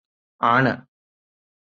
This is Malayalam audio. ആണ്